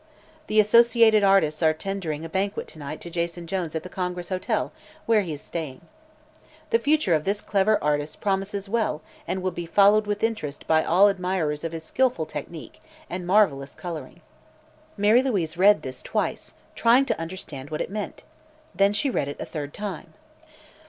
The Associated Artists are tendering a banquet to night to Jason Jones at the Congress Hotel, where he is staying. The future of this clever artist promises well and will be followed with interest by all admirers of his skillful technique and marvelous coloring." Mary Louise read this twice, trying to understand what it meant. Then she read it a third time.